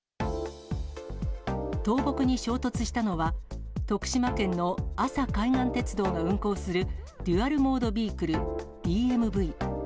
倒木に衝突したのは、徳島県の阿佐海岸鉄道が運行する、デュアル・モード・ビークル・ＤＭＶ。